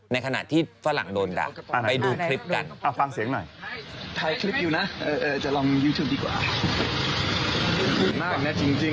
ในขณะที่ฝรั่งโดนด่ะไปดูคลิปกัน